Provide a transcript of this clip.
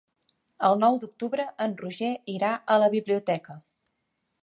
El nou d'octubre en Roger irà a la biblioteca.